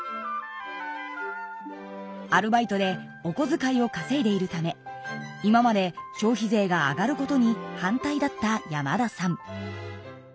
アルバイトでおこづかいをかせいでいるため今まで消費税が上がることに反対だった山田さん。